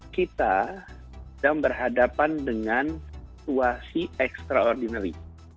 kita sudah berhadapan dengan situasi ekstraordinari